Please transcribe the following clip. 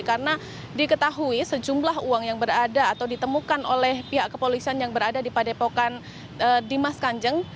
karena diketahui sejumlah uang yang berada atau ditemukan oleh pihak kepolisian yang berada di padepokan dimas kanjeng